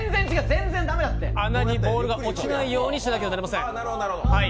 穴にボールが落ちないようにしなければいけません。